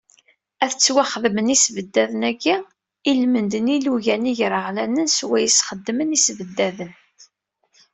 Ad ttwaxdamen yisebddaden-agi, almend n yilugan igreɣlanen swayes xeddmen isebddaden.